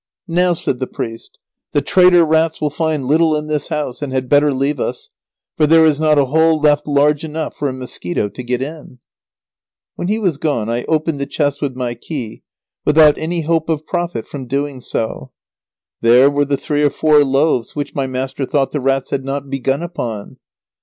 "Now," said the priest, "the traitor rats will find little in this house, and had better leave us, for there is not a hole left large enough for a mosquito to get in." [Illustration: "'It is the rats,' he declared."] When he was gone I opened the chest with my key without any hope of profit from doing so. There were the three or four loaves which my master thought the rats had not begun upon.